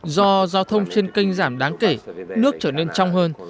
do giao thông trên kênh giảm đáng kể nước trở nên trong hơn